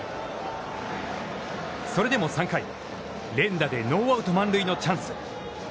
それでも３回、連打でノーアウト、満塁のチャンス。